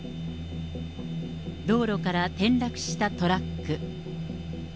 道路から転落したトラック。